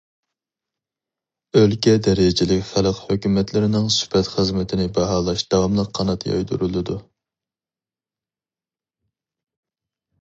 ئۆلكە دەرىجىلىك خەلق ھۆكۈمەتلىرىنىڭ سۈپەت خىزمىتىنى باھالاش داۋاملىق قانات يايدۇرۇلىدۇ.